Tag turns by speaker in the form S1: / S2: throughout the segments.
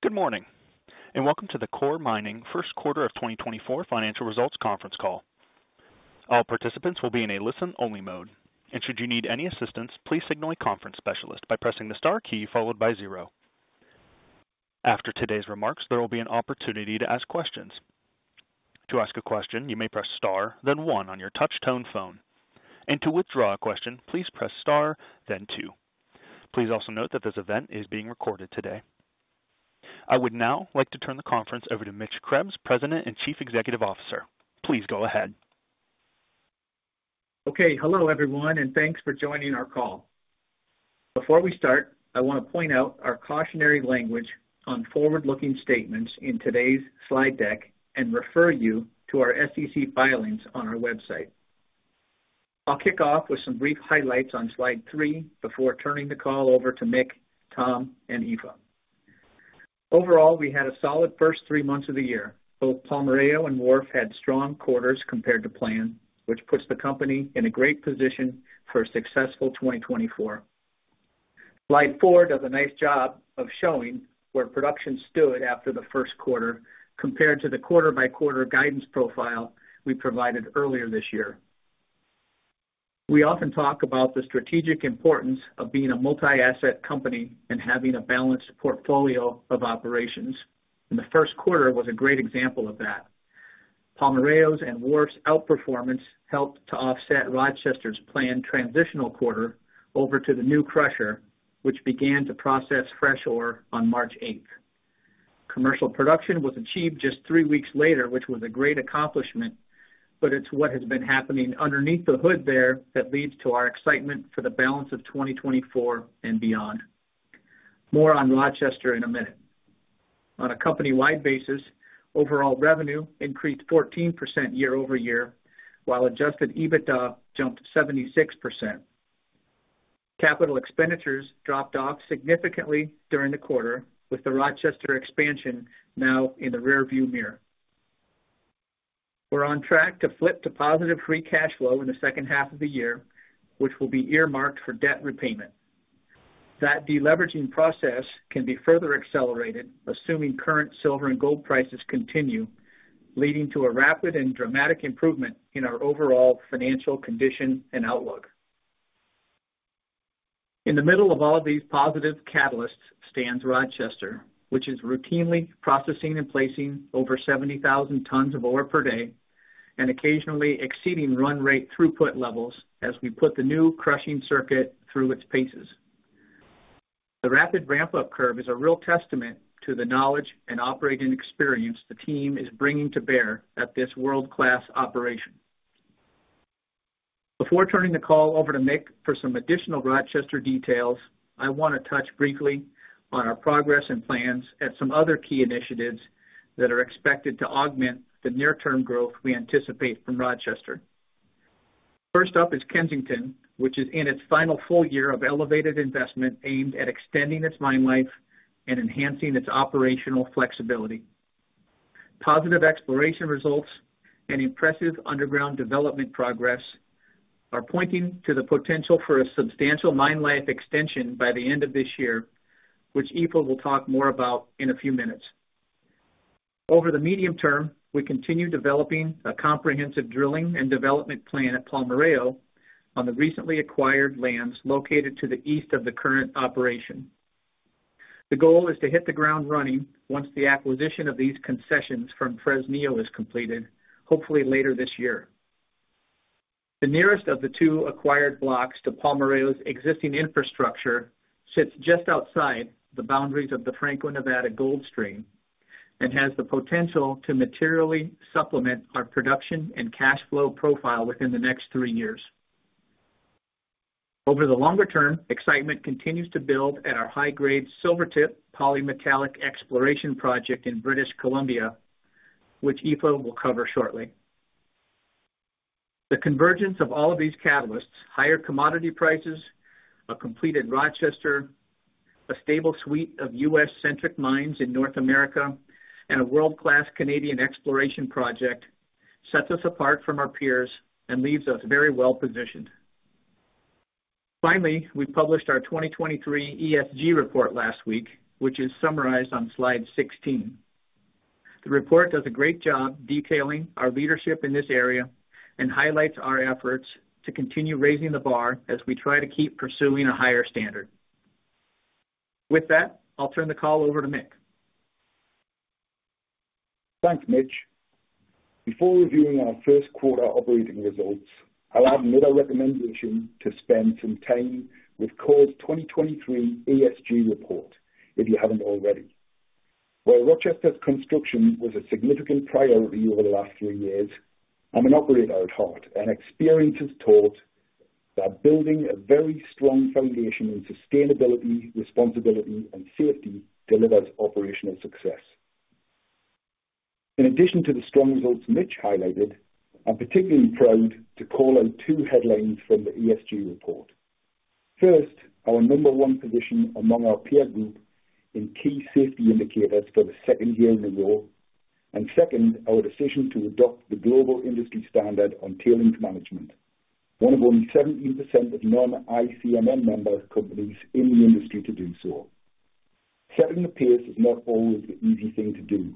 S1: Good morning and welcome to the Coeur Mining First Quarter of 2024 financial results conference call. All participants will be in a listen-only mode, and should you need any assistance, please signal a conference specialist by pressing the star key followed by zero. After today's remarks, there will be an opportunity to ask questions. To ask a question, you may press star, then one on your touch-tone phone, and to withdraw a question, please press star, then two. Please also note that this event is being recorded today. I would now like to turn the conference over to Mitch Krebs, President and Chief Executive Officer. Please go ahead.
S2: Okay. Hello, everyone, and thanks for joining our call. Before we start, I want to point out our cautionary language on forward-looking statements in today's slide deck and refer you to our SEC filings on our website. I'll kick off with some brief highlights on slide three before turning the call over to Mick, Tom, and Aoife. Overall, we had a solid first three months of the year. Both Palmarejo and Wharf had strong quarters compared to plan, which puts the company in a great position for a successful 2024. Slide four does a nice job of showing where production stood after the first quarter compared to the quarter-by-quarter guidance profile we provided earlier this year. We often talk about the strategic importance of being a multi-asset company and having a balanced portfolio of operations, and the first quarter was a great example of that. Palmarejo's and Wharf's outperformance helped to offset Rochester's planned transitional quarter over to the new crusher, which began to process fresh ore on March 8th. Commercial production was achieved just three weeks later, which was a great accomplishment, but it's what has been happening underneath the hood there that leads to our excitement for the balance of 2024 and beyond. More on Rochester in a minute. On a company-wide basis, overall revenue increased 14% year-over-year, while adjusted EBITDA jumped 76%. Capital expenditures dropped off significantly during the quarter, with the Rochester expansion now in the rearview mirror. We're on track to flip to positive free cash flow in the second half of the year, which will be earmarked for debt repayment. That deleveraging process can be further accelerated, assuming current silver and gold prices continue, leading to a rapid and dramatic improvement in our overall financial condition and outlook. In the middle of all of these positive catalysts stands Rochester, which is routinely processing and placing over 70,000 tons of ore per day and occasionally exceeding run-rate throughput levels as we put the new crushing circuit through its paces. The rapid ramp-up curve is a real testament to the knowledge and operating experience the team is bringing to bear at this world-class operation. Before turning the call over to Mick for some additional Rochester details, I want to touch briefly on our progress and plans at some other key initiatives that are expected to augment the near-term growth we anticipate from Rochester. First up is Kensington, which is in its final full year of elevated investment aimed at extending its mine life and enhancing its operational flexibility. Positive exploration results and impressive underground development progress are pointing to the potential for a substantial mine life extension by the end of this year, which Aoife will talk more about in a few minutes. Over the medium term, we continue developing a comprehensive drilling and development plan at Palmarejo on the recently acquired lands located to the east of the current operation. The goal is to hit the ground running once the acquisition of these concessions from Fresnillo is completed, hopefully later this year. The nearest of the two acquired blocks to Palmarejo's existing infrastructure sits just outside the boundaries of the Franco-Nevada Gold Stream and has the potential to materially supplement our production and cash flow profile within the next three years. Over the longer term, excitement continues to build at our high-grade Silvertip polymetallic exploration project in British Columbia, which Aoife will cover shortly. The convergence of all of these catalysts, higher commodity prices, a completed Rochester, a stable suite of U.S.-centric mines in North America, and a world-class Canadian exploration project, sets us apart from our peers and leaves us very well positioned. Finally, we published our 2023 ESG report last week, which is summarized on slide 16. The report does a great job detailing our leadership in this area and highlights our efforts to continue raising the bar as we try to keep pursuing a higher standard. With that, I'll turn the call over to Mick.
S3: Thanks, Mitch. Before reviewing our first quarter operating results, I'll add another recommendation to spend some time with Coeur's 2023 ESG report if you haven't already. While Rochester's construction was a significant priority over the last three years, I'm an operator at heart and experience has taught that building a very strong foundation in sustainability, responsibility, and safety delivers operational success. In addition to the strong results Mitch highlighted, I'm particularly proud to call out two headlines from the ESG report. First, our number one position among our peer group in key safety indicators for the second year in a row, and second, our decision to adopt the global industry standard on tailings management, one of only 17% of non-ICMM member companies in the industry to do so. Setting the pace is not always the easy thing to do,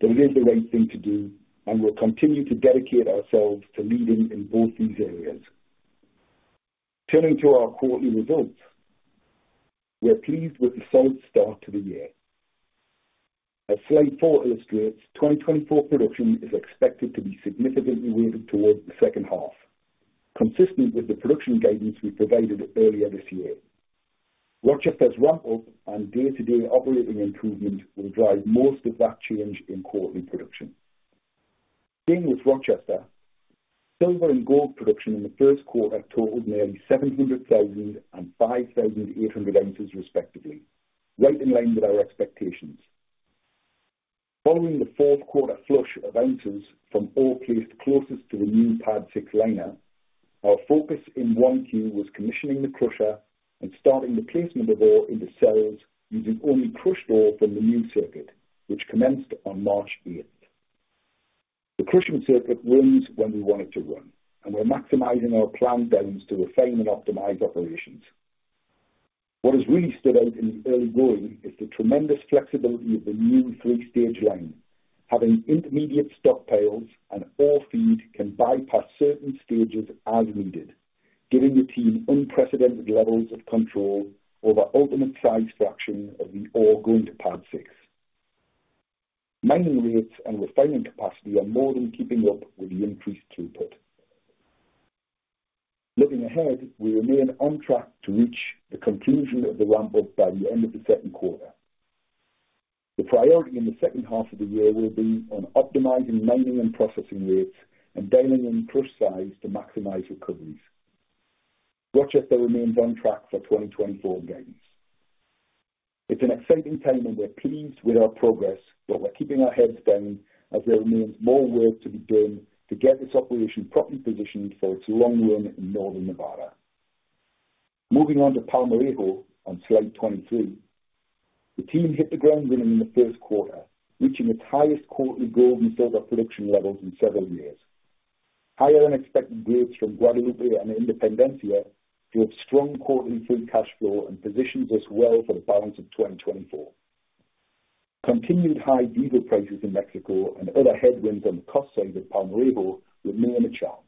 S3: but it is the right thing to do, and we'll continue to dedicate ourselves to leading in both these areas. Turning to our quarterly results, we're pleased with the solid start to the year. As slide four illustrates, 2024 production is expected to be significantly weighted towards the second half, consistent with the production guidance we provided earlier this year. Rochester's ramp-up and day-to-day operating improvement will drive most of that change in quarterly production. Same with Rochester. Silver and gold production in the first quarter totaled nearly 700,000 and 5,800 ounces, respectively, right in line with our expectations. Following the fourth quarter flush of ounces from ore placed closest to the new pad six liner, our focus in Q1 was commissioning the crusher and starting the placement of ore into cells using only crushed ore from the new circuit, which commenced on March 8th. The crushing circuit runs when we want it to run, and we're maximizing our planned balance to refine and optimize operations. What has really stood out in the early going is the tremendous flexibility of the new three-stage line, having intermediate stockpiles and ore feed can bypass certain stages as needed, giving the team unprecedented levels of control over the ultimate size fraction of the ore going to pad six. Mining rates and crushing capacity are more than keeping up with the increased throughput. Looking ahead, we remain on track to reach the conclusion of the ramp-up by the end of the second quarter. The priority in the second half of the year will be on optimizing mining and processing rates and dialing in crush size to maximize recoveries. Rochester remains on track for 2024 guidance. It's an exciting time, and we're pleased with our progress, but we're keeping our heads down as there remains more work to be done to get this operation properly positioned for its long run in northern Nevada. Moving on to Palmarejo on slide 23, the team hit the ground running in the first quarter, reaching its highest quarterly gold and silver production levels in several years. Higher-than-expected growth from Guadalupe and Independencia drove strong quarterly free cash flow and positions us well for the balance of 2024. Continued high diesel prices in Mexico and other headwinds on the cost side of Palmarejo remain a challenge.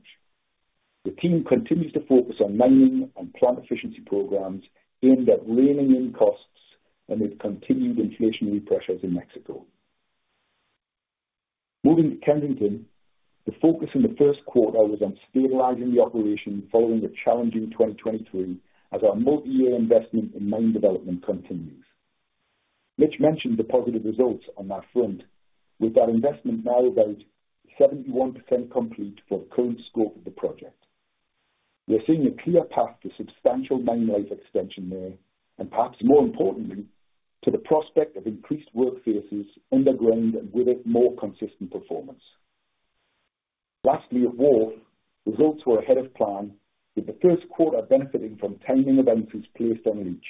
S3: The team continues to focus on mining and plant efficiency programs aimed at reining in costs amid continued inflationary pressures in Mexico. Moving to Kensington, the focus in the first quarter was on stabilizing the operation following a challenging 2023 as our multi-year investment in mine development continues. Mitch mentioned the positive results on that front, with that investment now about 71% complete for the current scope of the project. We're seeing a clear path to substantial mine life extension there, and perhaps more importantly, to the prospect of increased work forces underground and with more consistent performance. Lastly, at Wharf, results were ahead of plan, with the first quarter benefiting from timing of ounces placed on leach.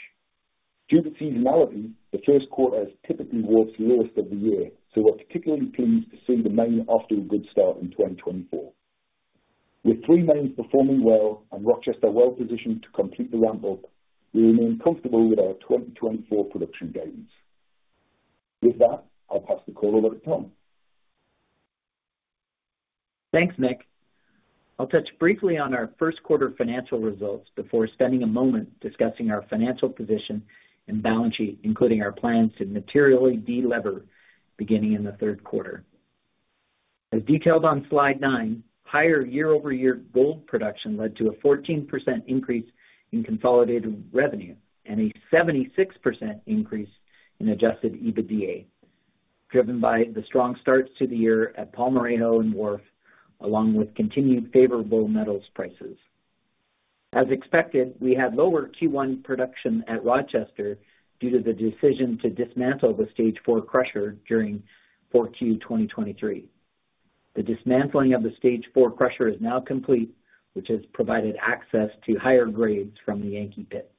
S3: Due to seasonality, the first quarter is typically Wharf's lowest of the year, so we're particularly pleased to see the mine off to a good start in 2024. With three mines performing well and Rochester well positioned to complete the ramp-up, we remain comfortable with our 2024 production guidance. With that, I'll pass the call over to Tom.
S4: Thanks, Mick. I'll touch briefly on our first quarter financial results before spending a moment discussing our financial position and balance sheet, including our plans to materially delever beginning in the third quarter. As detailed on slide nine, higher year-over-year gold production led to a 14% increase in consolidated revenue and a 76% increase in adjusted EBITDA, driven by the strong starts to the year at Palmarejo and Wharf, along with continued favorable metals prices. As expected, we had lower Q1 production at Rochester due to the decision to dismantle the stage four crusher during 4Q 2023. The dismantling of the stage four crusher is now complete, which has provided access to higher grades from the Yankee pit.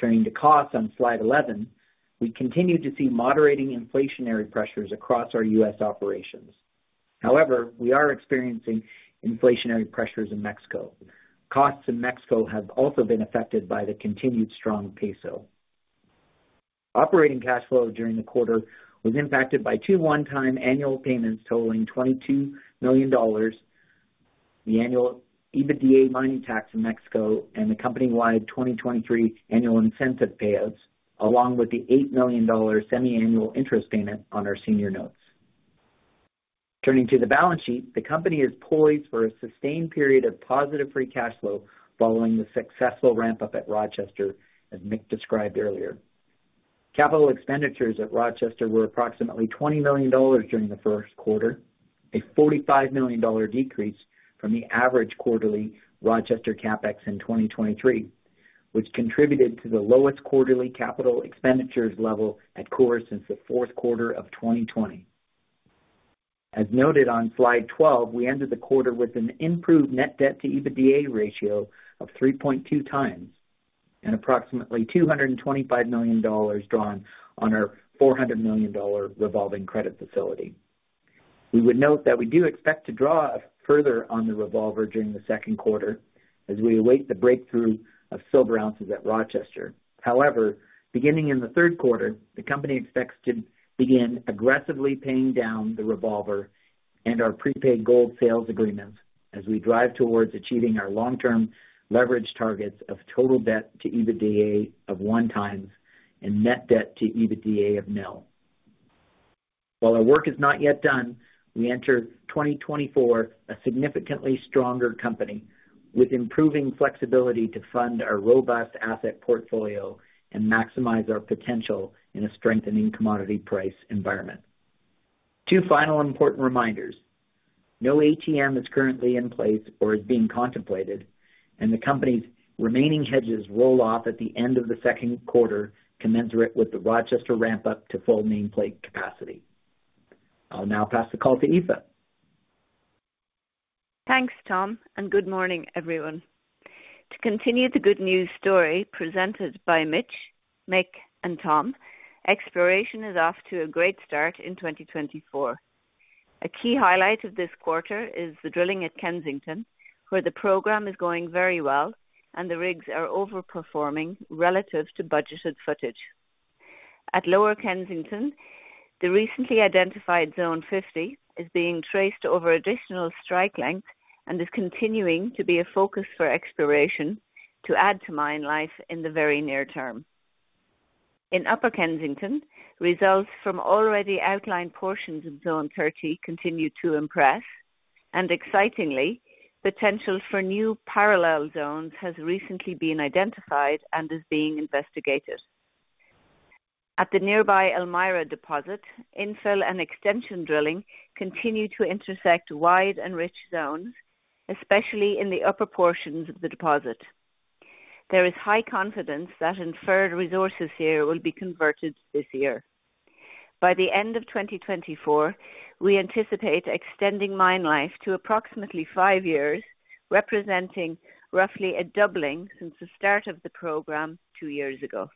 S4: Turning to costs on slide 11, we continue to see moderating inflationary pressures across our U.S. operations. However, we are experiencing inflationary pressures in Mexico. Costs in Mexico have also been affected by the continued strong peso. Operating cash flow during the quarter was impacted by two one-time annual payments totaling $22 million, the annual EBITDA mining tax in Mexico, and the company-wide 2023 annual incentive payouts, along with the $8 million semiannual interest payment on our senior notes. Turning to the balance sheet, the company is poised for a sustained period of positive free cash flow following the successful ramp-up at Rochester, as Mick described earlier. Capital expenditures at Rochester were approximately $20 million during the first quarter, a $45 million decrease from the average quarterly Rochester CapEx in 2023, which contributed to the lowest quarterly capital expenditures level at Coeur since the fourth quarter of 2020. As noted on slide 12, we ended the quarter with an improved Net Debt-to-EBITDA ratio of 3.2x and approximately $225 million drawn on our $400 million revolving credit facility. We would note that we do expect to draw further on the revolver during the second quarter as we await the breakthrough of silver ounces at Rochester. However, beginning in the third quarter, the company expects to begin aggressively paying down the revolver and our prepaid gold sales agreements as we drive towards achieving our long-term leverage targets of total debt-to-EBITDA of 1x and Net Debt-to-EBITDA of nil. While our work is not yet done, we enter 2024 a significantly stronger company with improving flexibility to fund our robust asset portfolio and maximize our potential in a strengthening commodity price environment. Two final important reminders. No ATM is currently in place or is being contemplated, and the company's remaining hedges roll off at the end of the second quarter commensurate with the Rochester ramp-up to full nameplate capacity. I'll now pass the call to Aoife.
S5: Thanks, Tom, and good morning, everyone. To continue the good news story presented by Mitch, Mick, and Tom, exploration is off to a great start in 2024. A key highlight of this quarter is the drilling at Kensington, where the program is going very well and the rigs are overperforming relative to budgeted footage. At Lower Kensington, the recently identified Zone 50 is being traced over additional strike length and is continuing to be a focus for exploration to add to mine life in the very near term. In Upper Kensington, results from already outlined portions of Zone 30 continue to impress, and excitingly, potential for new parallel zones has recently been identified and is being investigated. At the nearby Elmira deposit, infill and extension drilling continue to intersect wide and rich zones, especially in the upper portions of the deposit. There is high confidence that inferred resources here will be converted this year. By the end of 2024, we anticipate extending mine life to approximately five years, representing roughly a doubling since the start of the program two years ago.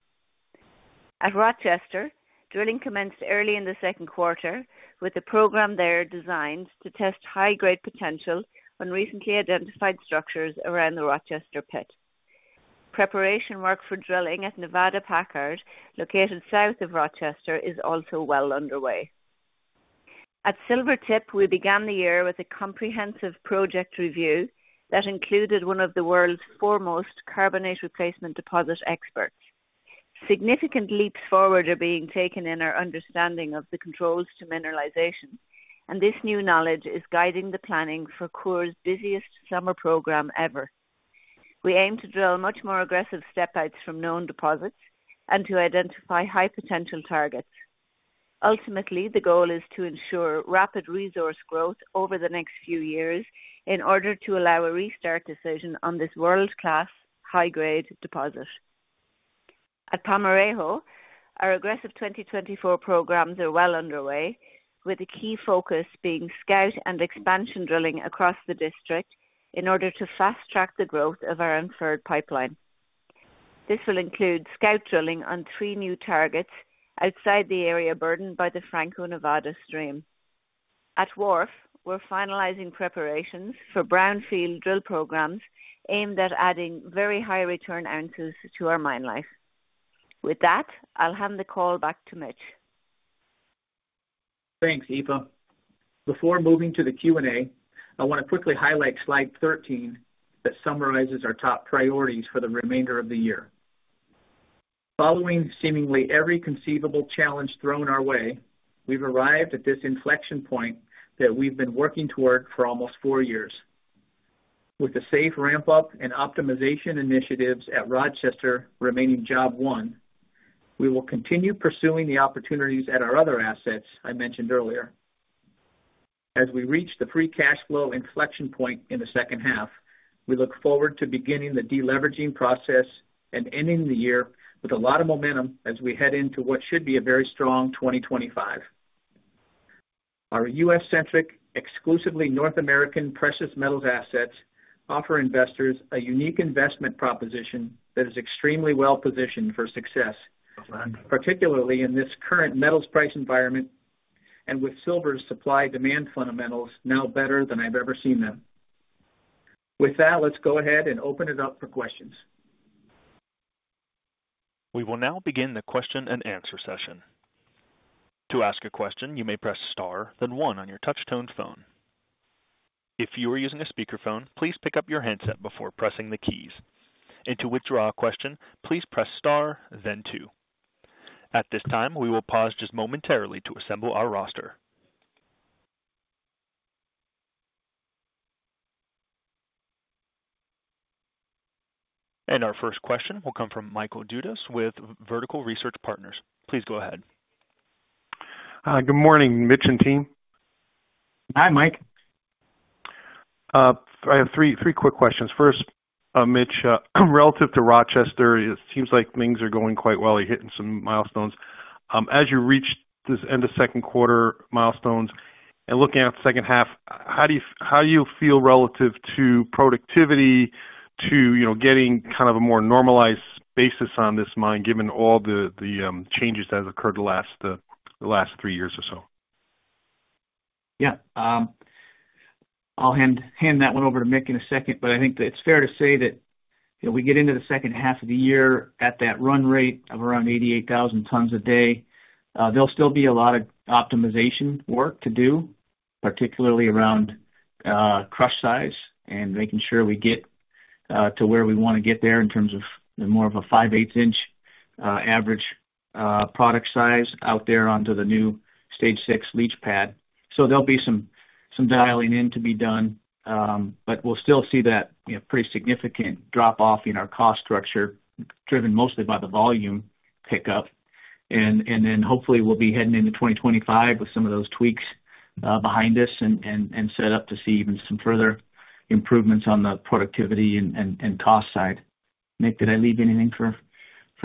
S5: At Rochester, drilling commenced early in the second quarter, with the program there designed to test high-grade potential on recently identified structures around the Rochester pit. Preparation work for drilling at Nevada Packard, located south of Rochester, is also well underway. At Silvertip, we began the year with a comprehensive project review that included one of the world's foremost carbonate replacement deposit experts. Significant leaps forward are being taken in our understanding of the controls to mineralization, and this new knowledge is guiding the planning for Coeur's busiest summer program ever. We aim to drill much more aggressive step-outs from known deposits and to identify high-potential targets. Ultimately, the goal is to ensure rapid resource growth over the next few years in order to allow a restart decision on this world-class, high-grade deposit. At Palmarejo, our aggressive 2024 programs are well underway, with a key focus being scout and expansion drilling across the district in order to fast-track the growth of our inferred pipeline. This will include scout drilling on three new targets outside the area burdened by the Franco-Nevada stream. At Wharf, we're finalizing preparations for brownfield drill programs aimed at adding very high-return ounces to our mine life. With that, I'll hand the call back to Mitch.
S2: Thanks, Aoife. Before moving to the Q&A, I want to quickly highlight slide 13 that summarizes our top priorities for the remainder of the year. Following seemingly every conceivable challenge thrown our way, we've arrived at this inflection point that we've been working toward for almost four years. With the safe ramp-up and optimization initiatives at Rochester remaining job one, we will continue pursuing the opportunities at our other assets I mentioned earlier. As we reach the free cash flow inflection point in the second half, we look forward to beginning the deleveraging process and ending the year with a lot of momentum as we head into what should be a very strong 2025. Our U.S.-centric, exclusively North American precious metals assets offer investors a unique investment proposition that is extremely well positioned for success, particularly in this current metals price environment and with silver's supply-demand fundamentals now better than I've ever seen them. With that, let's go ahead and open it up for questions.
S1: We will now begin the question-and-answer session. To ask a question, you may press star, then one, on your touch-tone phone. If you are using a speakerphone, please pick up your headset before pressing the keys. To withdraw a question, please press star, then two. At this time, we will pause just momentarily to assemble our roster. Our first question will come from Michael Dudas with Vertical Research Partners. Please go ahead.
S6: Good morning, Mitch and team.
S2: Hi, Mike.
S6: I have three quick questions. First, Mitch, relative to Rochester, it seems like things are going quite well. You're hitting some milestones. As you reach this end of second quarter milestones and looking at the second half, how do you feel relative to productivity, to getting kind of a more normalized basis on this mine given all the changes that have occurred the last three years or so?
S2: Yeah. I'll hand that one over to Mick in a second, but I think it's fair to say that we get into the second half of the year at that run rate of around 88,000 tons a day. There'll still be a lot of optimization work to do, particularly around crush size and making sure we get to where we want to get there in terms of more of a five-eighths-inch average product size out there onto the new stage six leach pad. So there'll be some dialing in to be done, but we'll still see that pretty significant drop-off in our cost structure driven mostly by the volume pickup. And then hopefully, we'll be heading into 2025 with some of those tweaks behind us and set up to see even some further improvements on the productivity and cost side. Mick, did I leave anything for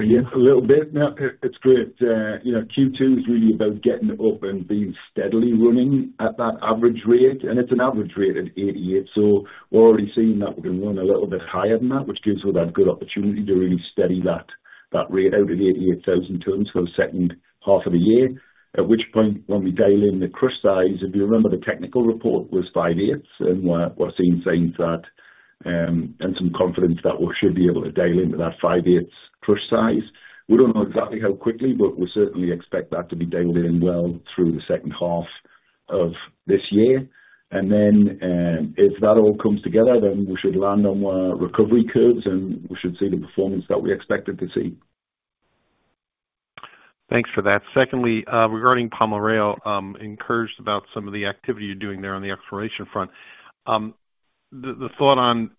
S2: you?
S3: Yes, a little bit. No, it's good. Q2 is really about getting up and being steadily running at that average rate, and it's an average rate at 88. So we're already seeing that we can run a little bit higher than that, which gives us that good opportunity to really steady that rate out at 88,000 tons for the second half of the year, at which point when we dial in the crush size, if you remember, the technical report was five-eighths and we're seeing signs and some confidence that we should be able to dial in to that five-eighths crush size. We don't know exactly how quickly, but we certainly expect that to be dialed in well through the second half of this year. And then if that all comes together, then we should land on recovery curves, and we should see the performance that we expected to see.
S6: Thanks for that. Secondly, regarding Palmarejo, encouraged about some of the activity you're doing there on the exploration front. The thought on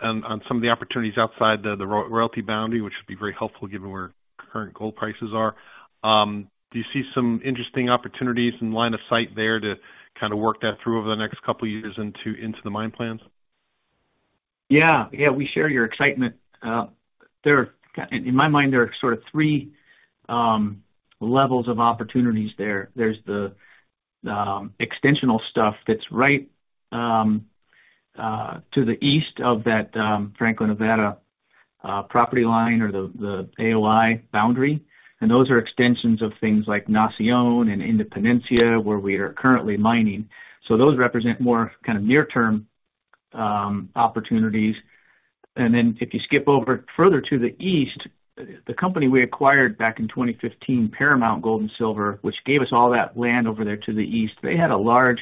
S6: some of the opportunities outside the royalty boundary, which would be very helpful given where current gold prices are, do you see some interesting opportunities in line of sight there to kind of work that through over the next couple of years into the mine plans?
S2: Yeah. Yeah, we share your excitement. In my mind, there are sort of three levels of opportunities there. There's the extensional stuff that's right to the east of that Franco-Nevada property line or the AOI boundary, and those are extensions of things like Nación and Independencia where we are currently mining. So those represent more kind of near-term opportunities. And then if you skip over further to the east, the company we acquired back in 2015, Paramount Gold and Silver, which gave us all that land over there to the east, they had a large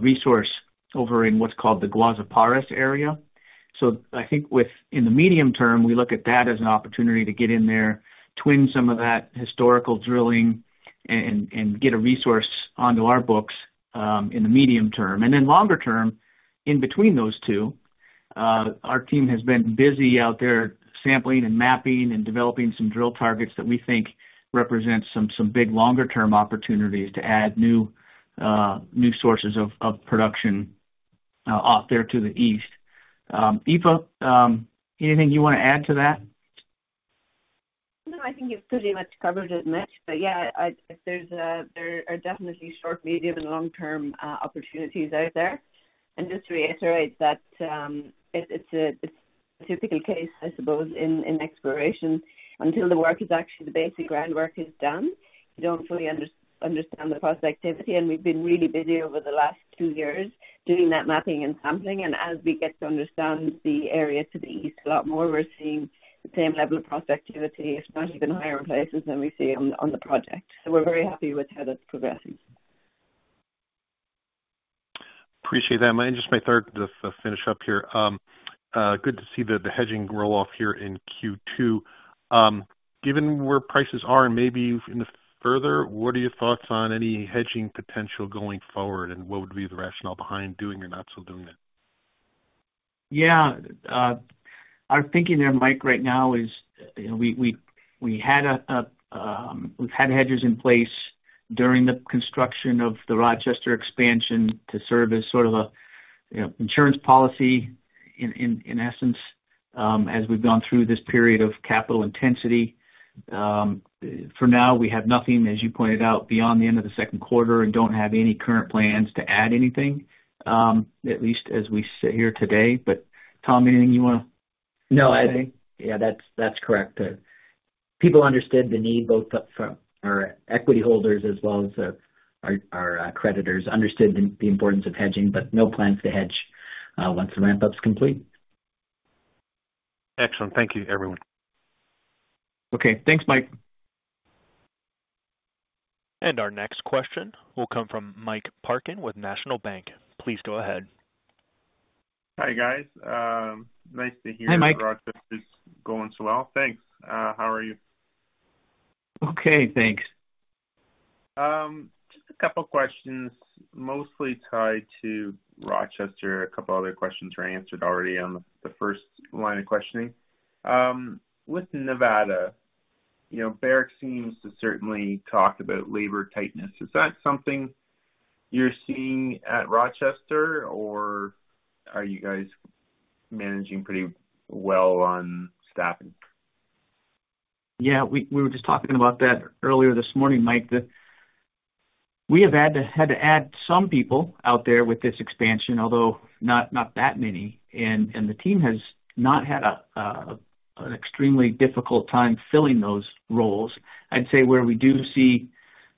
S2: resource over in what's called the Guazapares area. So I think in the medium term, we look at that as an opportunity to get in there, twin some of that historical drilling, and get a resource onto our books in the medium term. And then longer term, in between those two, our team has been busy out there sampling and mapping and developing some drill targets that we think represent some big longer-term opportunities to add new sources of production off there to the east. Aoife, anything you want to add to that?
S5: No, I think you've pretty much covered it, Mitch. But yeah, there are definitely short, medium, and long-term opportunities out there. And just to reiterate that, it's a typical case, I suppose, in exploration. Until the work is actually the basic groundwork is done, you don't fully understand the prospectivity. And we've been really busy over the last two years doing that mapping and sampling. And as we get to understand the area to the east a lot more, we're seeing the same level of prospectivity, if not even higher, in places than we see on the project. So we're very happy with how that's progressing.
S6: Appreciate that. Just my third to finish up here. Good to see the hedging roll off here in Q2. Given where prices are and maybe even further, what are your thoughts on any hedging potential going forward, and what would be the rationale behind doing or not so doing it?
S2: Yeah. Our thinking there, Mike, right now is we've had hedgers in place during the construction of the Rochester expansion to serve as sort of an insurance policy, in essence, as we've gone through this period of capital intensity. For now, we have nothing, as you pointed out, beyond the end of the second quarter and don't have any current plans to add anything, at least as we sit here today. But Tom, anything you want to say?
S4: No, yeah, that's correct. People understood the need, both our equity holders as well as our creditors, understood the importance of hedging, but no plans to hedge once the ramp-up's complete.
S6: Excellent. Thank you, everyone.
S2: Okay. Thanks, Mike.
S1: Our next question will come from Mike Parkin with National Bank. Please go ahead.
S7: Hi, guys. Nice to hear that Rochester's going so well. Thanks. How are you?
S2: Okay, thanks.
S7: Just a couple of questions, mostly tied to Rochester. A couple of other questions were answered already on the first line of questioning. With Nevada, Barrick seems to certainly talk about labor tightness. Is that something you're seeing at Rochester, or are you guys managing pretty well on staffing?
S2: Yeah, we were just talking about that earlier this morning, Mike. We have had to add some people out there with this expansion, although not that many. The team has not had an extremely difficult time filling those roles. I'd say where we do see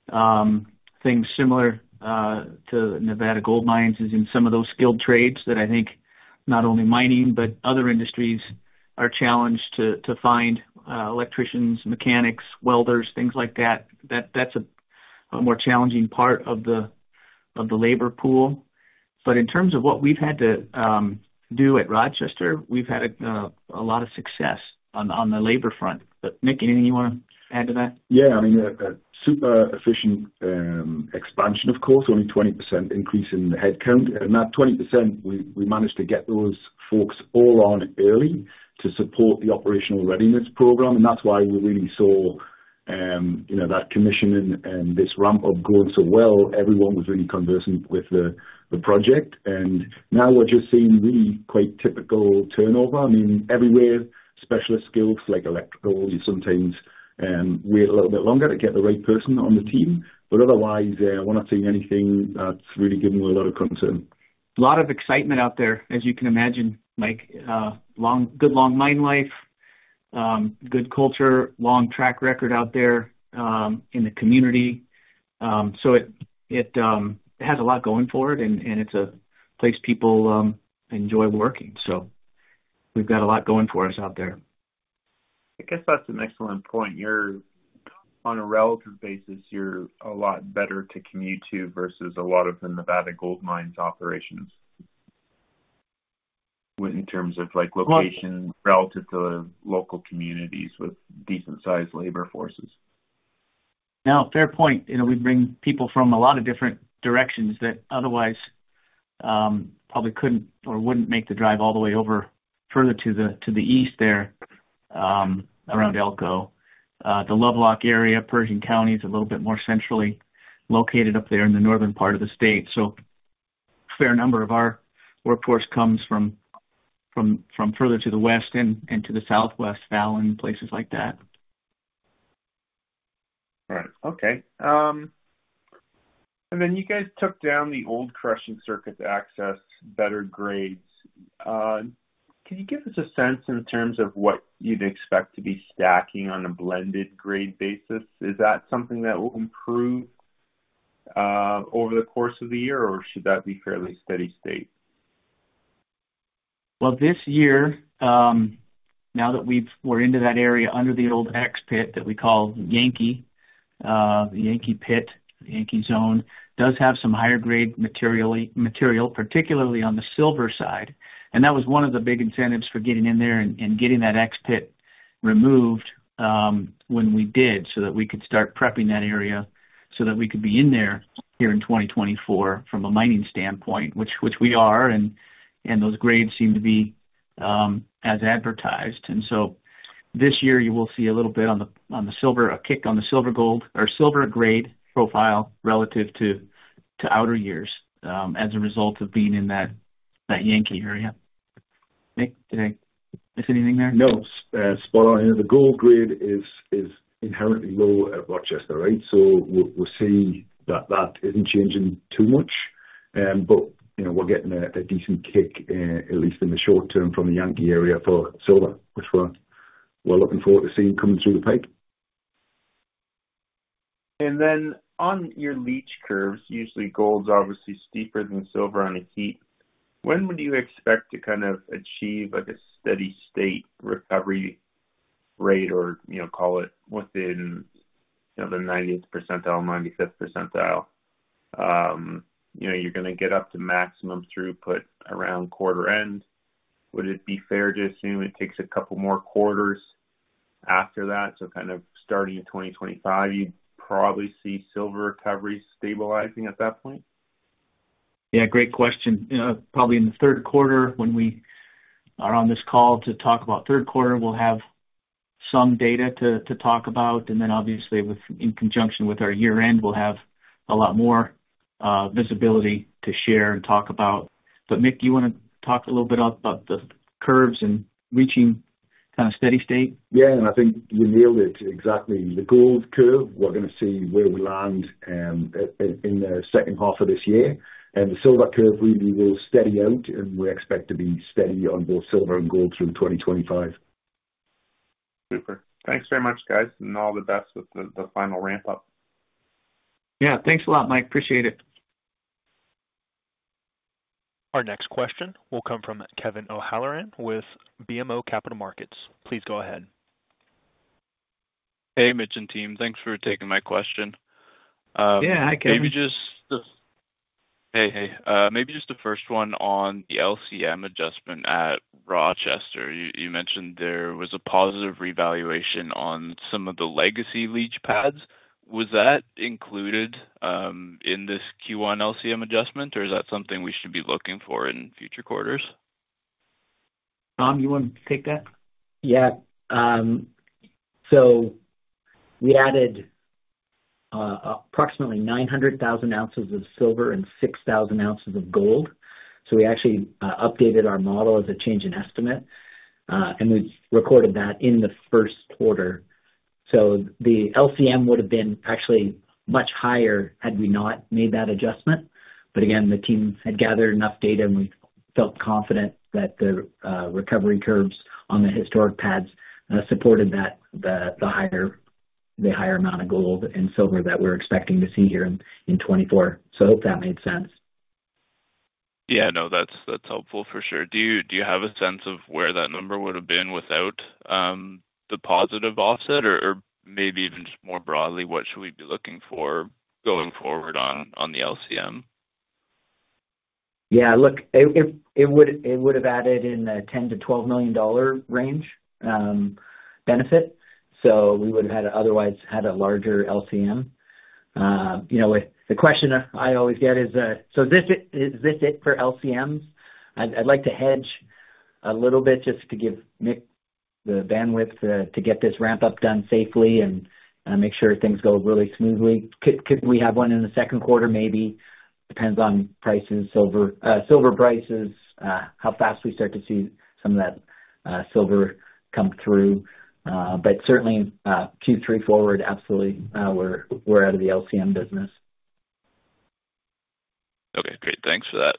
S2: things similar to Nevada Gold Mines is in some of those skilled trades that I think not only mining, but other industries are challenged to find: electricians, mechanics, welders, things like that. That's a more challenging part of the labor pool. But in terms of what we've had to do at Rochester, we've had a lot of success on the labor front. But Mick, anything you want to add to that?
S3: Yeah. I mean, a super efficient expansion, of course, only 20% increase in headcount. And that 20%, we managed to get those folks all on early to support the operational readiness program. And that's why we really saw that commissioning and this ramp-up going so well. Everyone was really conversant with the project. And now we're just seeing really quite typical turnover. I mean, everywhere, specialist skills like electrical sometimes wait a little bit longer to get the right person on the team. But otherwise, I'm not seeing anything that's really given me a lot of concern.
S2: A lot of excitement out there, as you can imagine, Mike. Good long mine life, good culture, long track record out there in the community. So it has a lot going for it, and it's a place people enjoy working. So we've got a lot going for us out there.
S7: I guess that's an excellent point. On a relative basis, you're a lot better to commute to versus a lot of the Nevada Gold Mines operations in terms of location relative to the local communities with decent-sized labor forces.
S2: No, fair point. We bring people from a lot of different directions that otherwise probably couldn't or wouldn't make the drive all the way further to the east there around Elko. The Lovelock area, Pershing County, is a little bit more centrally located up there in the northern part of the state. So a fair number of our workforce comes from further to the west and to the southwest, Fallon, places like that.
S7: Right. Okay. And then you guys took down the old crushing circuit access, better grades. Can you give us a sense in terms of what you'd expect to be stacking on a blended grade basis? Is that something that will improve over the course of the year, or should that be fairly steady state?
S2: Well, this year, now that we're into that area under the old X pit that we call Yankee, the Yankee Pit, Yankee Zone, does have some higher-grade material, particularly on the silver side. And that was one of the big incentives for getting in there and getting that X pit removed when we did so that we could start prepping that area so that we could be in there here in 2024 from a mining standpoint, which we are. And those grades seem to be as advertised. And so this year, you will see a little bit on the silver, a kick on the silver gold or silver grade profile relative to other years as a result of being in that Yankee area. Mick, did I miss anything there?
S3: No. Spot on. The gold grade is inherently low at Rochester, right? So we'll see that that isn't changing too much. But we're getting a decent kick, at least in the short term, from the Yankee area for silver, which we're looking forward to seeing coming through the pipe.
S7: And then on your leach curves, usually gold's obviously steeper than silver on the heap. When would you expect to kind of achieve a steady state recovery rate, or call it within the 90th percentile, 95th percentile? You're going to get up to maximum throughput around quarter end. Would it be fair to assume it takes a couple more quarters after that? So kind of starting in 2025, you'd probably see silver recovery stabilizing at that point?
S2: Yeah, great question. Probably in the third quarter, when we are on this call to talk about third quarter, we'll have some data to talk about. And then obviously, in conjunction with our year-end, we'll have a lot more visibility to share and talk about. But Mick, do you want to talk a little bit about the curves and reaching kind of steady state?
S3: Yeah. And I think you nailed it exactly. The gold curve, we're going to see where we land in the second half of this year. And the silver curve really will steady out, and we expect to be steady on both silver and gold through 2025.
S7: Super. Thanks very much, guys, and all the best with the final ramp-up.
S2: Yeah. Thanks a lot, Mike. Appreciate it.
S1: Our next question will come from Kevin O'Halloran with BMO Capital Markets. Please go ahead.
S8: Hey, Mitch and team. Thanks for taking my question.
S2: Yeah, hi, Kevin.
S8: Maybe just the first one on the LCM adjustment at Rochester. You mentioned there was a positive revaluation on some of the legacy leach pads. Was that included in this Q1 LCM adjustment, or is that something we should be looking for in future quarters?
S2: Tom, do you want to take that?
S4: Yeah. So we added approximately 900,000 ounces of silver and 6,000 ounces of gold. So we actually updated our model as a change in estimate, and we've recorded that in the first quarter. So the LCM would have been actually much higher had we not made that adjustment. But again, the team had gathered enough data, and we felt confident that the recovery curves on the historic pads supported the higher amount of gold and silver that we're expecting to see here in 2024. So I hope that made sense.
S8: Yeah. No, that's helpful for sure. Do you have a sense of where that number would have been without the positive offset, or maybe even just more broadly, what should we be looking for going forward on the LCM?
S4: Yeah. Look, it would have added in the $10 million-$12 million range benefit. So we would have otherwise had a larger LCM. The question I always get is, "So is this it for LCMs?" I'd like to hedge a little bit just to give Mick the bandwidth to get this ramp-up done safely and make sure things go really smoothly. Could we have one in the second quarter, maybe? Depends on prices, silver prices, how fast we start to see some of that silver come through. But certainly, Q3 forward, absolutely, we're out of the LCM business.
S8: Okay. Great. Thanks for that.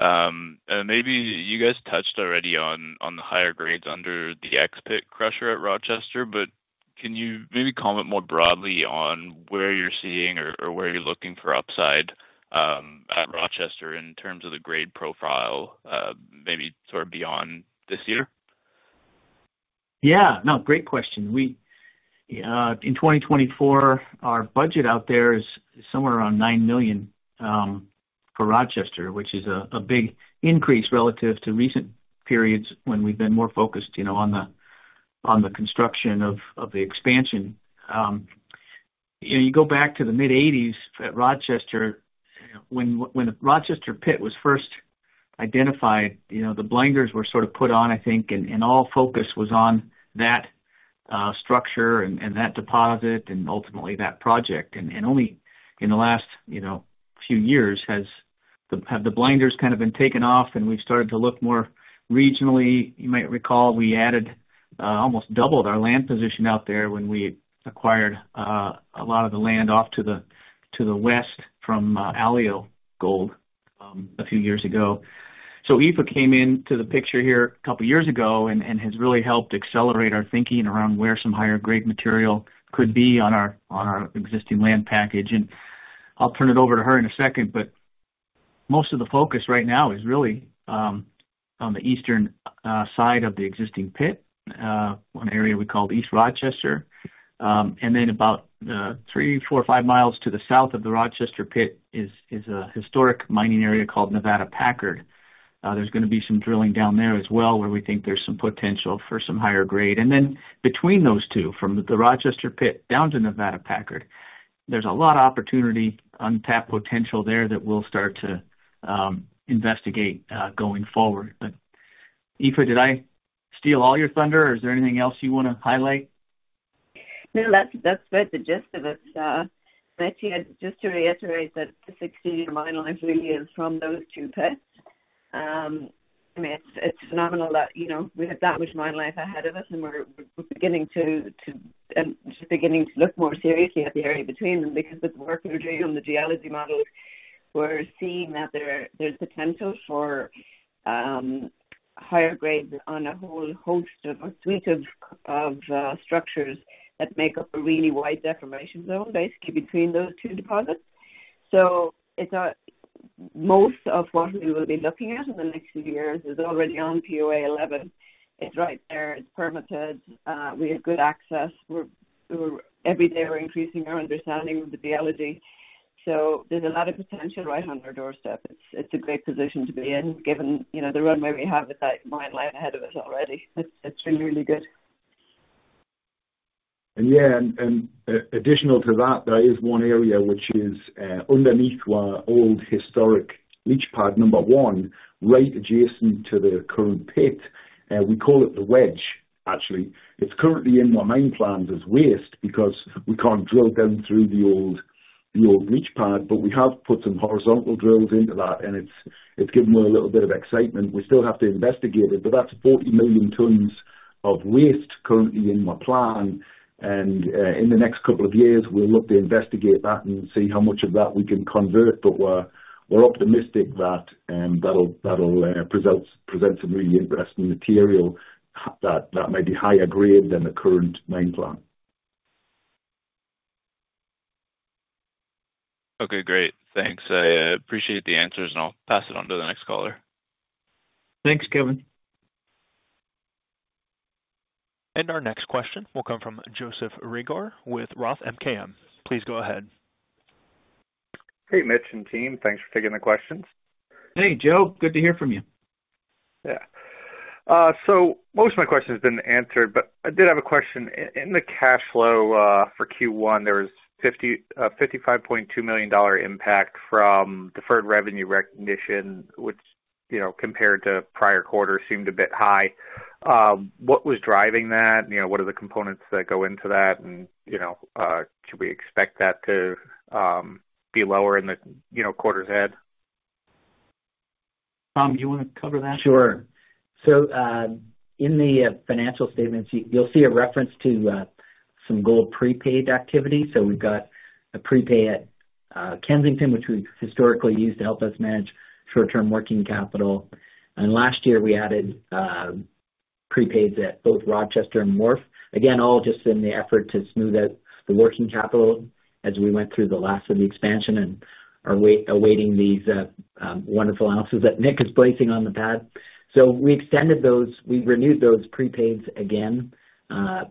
S8: And maybe you guys touched already on the higher grades under the X pit crusher at Rochester, but can you maybe comment more broadly on where you're seeing or where you're looking for upside at Rochester in terms of the grade profile, maybe sort of beyond this year?
S4: Yeah. No, great question. In 2024, our budget out there is somewhere around $9 million for Rochester, which is a big increase relative to recent periods when we've been more focused on the construction of the expansion. You go back to the mid-1980s at Rochester. When the Rochester pit was first identified, the blinders were sort of put on, I think, and all focus was on that structure and that deposit and ultimately that project. And only in the last few years have the blinders kind of been taken off, and we've started to look more regionally. You might recall we almost doubled our land position out there when we acquired a lot of the land off to the west from Alio Gold a few years ago. Aoife came into the picture here a couple of years ago and has really helped accelerate our thinking around where some higher-grade material could be on our existing land package. And I'll turn it over to her in a second. But most of the focus right now is really on the eastern side of the existing pit, an area we call East Rochester. And then about three, four, 5 mi to the south of the Rochester pit is a historic mining area called Nevada Packard. There's going to be some drilling down there as well where we think there's some potential for some higher grade. And then between those two, from the Rochester pit down to Nevada Packard, there's a lot of opportunity, untapped potential there that we'll start to investigate going forward. But Aoife, did I steal all your thunder, or is there anything else you want to highlight?
S5: No, that's the gist of it. And actually, just to reiterate that the 16-year mine life really is from those two pits. I mean, it's phenomenal that we have that much mine life ahead of us, and we're just beginning to look more seriously at the area between them because with the work we're doing on the geology models, we're seeing that there's potential for higher grades on a whole host of a suite of structures that make up a really wide deformation zone, basically, between those two deposits. So most of what we will be looking at in the next few years is already on POA 11. It's right there. It's permitted. We have good access. Every day, we're increasing our understanding of the geology. So there's a lot of potential right on our doorstep. It's a great position to be in given the runway we have with that mine life ahead of us already. That's really, really good.
S3: Yeah. Additional to that, there is one area which is underneath our old historic leach pad number one, right adjacent to the current pit. We call it the wedge, actually. It's currently in our mine plans as waste because we can't drill down through the old leach pad. But we have put some horizontal drills into that, and it's given me a little bit of excitement. We still have to investigate it, but that's 40 million tons of waste currently in my plan. And in the next couple of years, we'll look to investigate that and see how much of that we can convert. But we're optimistic that that'll present some really interesting material that may be higher grade than the current mine plan.
S8: Okay. Great. Thanks. I appreciate the answers, and I'll pass it on to the next caller.
S2: Thanks, Kevin.
S1: Our next question will come from Joseph Reagor with Roth MKM. Please go ahead.
S9: Hey, Mitch and team. Thanks for taking the questions.
S2: Hey, Joe. Good to hear from you.
S9: Yeah. So most of my questions have been answered, but I did have a question. In the cash flow for Q1, there was a $55.2 million impact from deferred revenue recognition, which compared to prior quarters seemed a bit high. What was driving that? What are the components that go into that? And should we expect that to be lower in the quarters ahead?
S2: Tom, do you want to cover that?
S4: Sure. So in the financial statements, you'll see a reference to some gold prepaid activity. So we've got a prepay at Kensington, which we've historically used to help us manage short-term working capital. And last year, we added prepays at both Rochester and Wharf, again, all just in the effort to smooth out the working capital as we went through the last of the expansion and awaiting these wonderful ounces that Mick is placing on the pad. So we renewed those prepays again.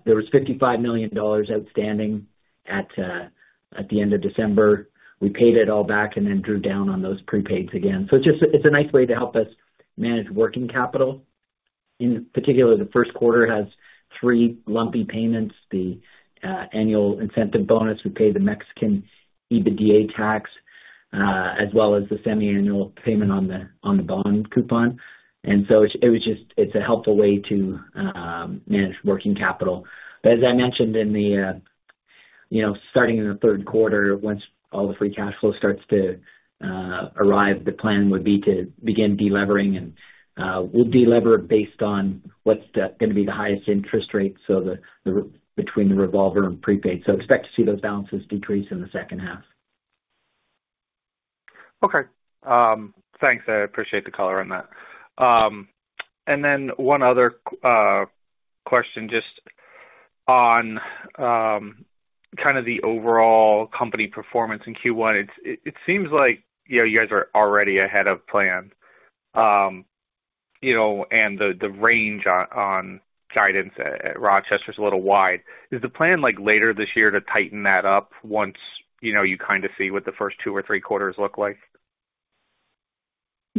S4: There was $55 million outstanding at the end of December. We paid it all back and then drew down on those prepays again. So it's a nice way to help us manage working capital. In particular, the first quarter has three lumpy payments: the annual incentive bonus - we pay the Mexican EBITDA tax - as well as the semiannual payment on the bond coupon. So it's a helpful way to manage working capital. As I mentioned, starting in the third quarter, once all the free cash flow starts to arrive, the plan would be to begin delevering. We'll delever based on what's going to be the highest interest rate between the revolver and prepaid. Expect to see those balances decrease in the second half.
S9: Okay. Thanks. I appreciate the color on that. And then one other question just on kind of the overall company performance in Q1. It seems like you guys are already ahead of plan, and the range on guidance at Rochester is a little wide. Is the plan later this year to tighten that up once you kind of see what the first two or three quarters look like?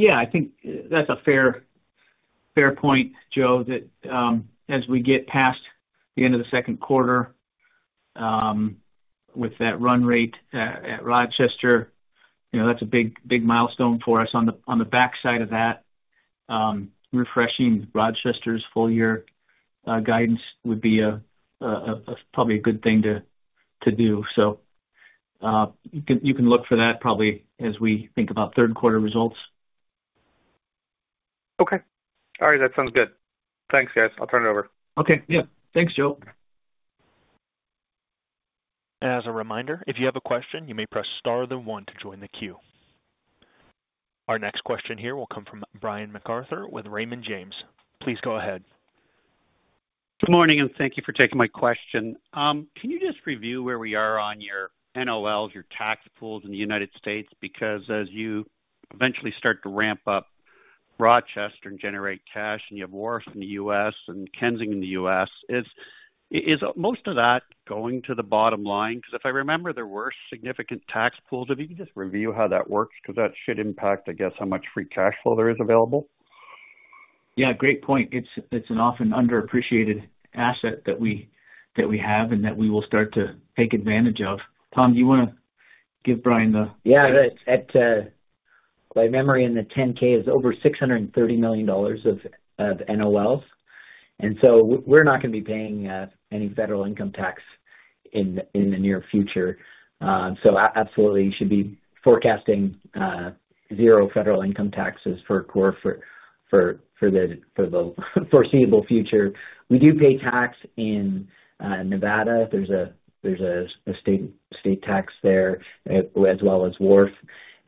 S2: Yeah. I think that's a fair point, Joe, that as we get past the end of the second quarter with that run rate at Rochester, that's a big milestone for us. On the backside of that, refreshing Rochester's full-year guidance would be probably a good thing to do. So you can look for that probably as we think about third quarter results.
S9: Okay. All right. That sounds good. Thanks, guys. I'll turn it over.
S2: Okay. Yeah. Thanks, Joe.
S1: As a reminder, if you have a question, you may press star or the 1 to join the queue. Our next question here will come from Brian MacArthur with Raymond James. Please go ahead.
S10: Good morning, and thank you for taking my question. Can you just review where we are on your NOLs, your tax pools in the United States? Because as you eventually start to ramp up Rochester and generate cash, and you have Wharf in the U.S. and Kensington in the U.S., is most of that going to the bottom line? Because if I remember, there were significant tax pools. If you could just review how that works because that should impact, I guess, how much free cash flow there is available.
S2: Yeah. Great point. It's an often underappreciated asset that we have and that we will start to take advantage of. Tom, do you want to give Brian the?
S4: Yeah. By memory, in the 10-K, it's over $630 million of NOLs. And so we're not going to be paying any federal income tax in the near future. So absolutely, you should be forecasting zero federal income taxes for the foreseeable future. We do pay tax in Nevada. There's a state tax there as well as Wharf.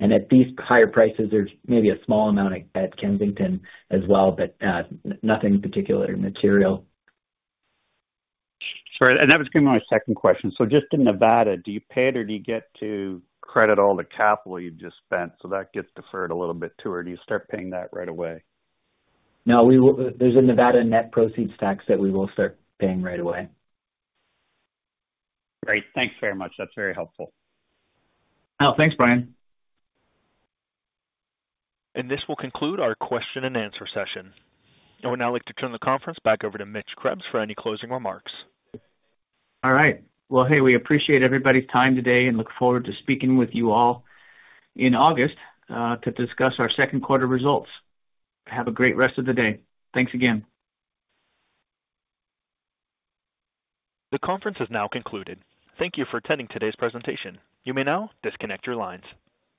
S4: And at these higher prices, there's maybe a small amount at Kensington as well, but nothing particularly material.
S10: Sure. That was going to be my second question. Just in Nevada, do you pay it, or do you get to credit all the capital you've just spent? That gets deferred a little bit too, or do you start paying that right away?
S4: No. There's a Nevada net proceeds tax that we will start paying right away.
S10: Great. Thanks very much. That's very helpful.
S2: Oh, thanks, Brian.
S1: This will conclude our question-and-answer session. I would now like to turn the conference back over to Mitch Krebs for any closing remarks.
S2: All right. Well, hey, we appreciate everybody's time today and look forward to speaking with you all in August to discuss our second-quarter results. Have a great rest of the day. Thanks again.
S1: The conference has now concluded. Thank you for attending today's presentation. You may now disconnect your lines.